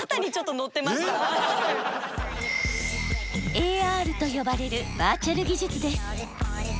「ＡＲ」と呼ばれるバーチャル技術です。